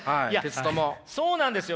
そうなんですよ。